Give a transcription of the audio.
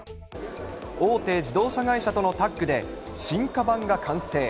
大手自動車会社とのタッグで進化版が完成。